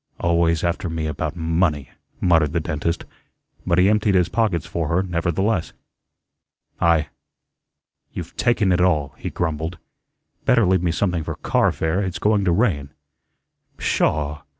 "Always after me about money," muttered the dentist; but he emptied his pockets for her, nevertheless. "I you've taken it all," he grumbled. "Better leave me something for car fare. It's going to rain." "Pshaw!